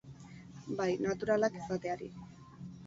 Bai, naturalak izateari.